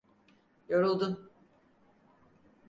Yoruldun…